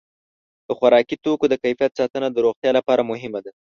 د خوراکي توکو د کیفیت ساتنه د روغتیا لپاره مهمه ده.